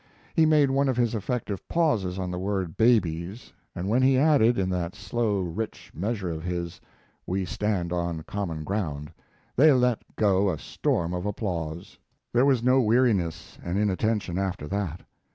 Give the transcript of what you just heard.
He made one of his effective pauses on the word "babies," and when he added, in that slow, rich measure of his, "we stand on common ground," they let go a storm of applause. There was no weariness and inattention after that.